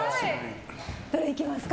どれいきますか？